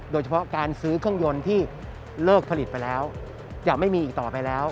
โดยเฉพาะการซื้อเครื่องยนต์ที่เลิกผลิตไปแล้วจะไม่มีอีกต่อไปแล้ว